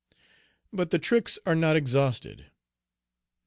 But the tricks are not exhausted.